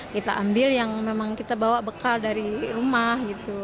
kita ambil yang memang kita bawa bekal dari rumah gitu